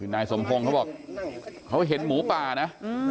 นายสมพงศ์เขาบอกเขาเห็นหมูป่านะ